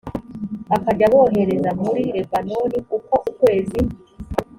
akajya abohereza muri lebanoni uko ukwezi